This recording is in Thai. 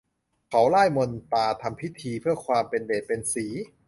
เขาร่ายมนต์ตราทำพิธี เพื่อความเป็นเดชเป็นศรี